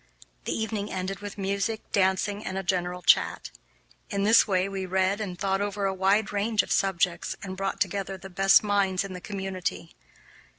The evening ended with music, dancing, and a general chat. In this way we read and thought over a wide range of subjects and brought together the best minds in the community.